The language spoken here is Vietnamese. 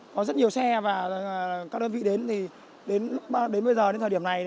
có rất nhiều xe và các đơn vị đến thì đến bây giờ đến thời điểm này